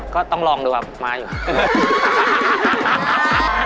ก็ต้องลองดูครับม้าอยู่